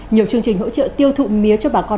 nhiều chương trình hỗ trợ tiêu thụ mía cho bà con